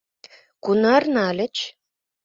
— Кунар нальыч?